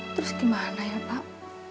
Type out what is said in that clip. terus gimana ya pak